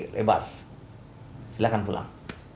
lebas silahkan pulang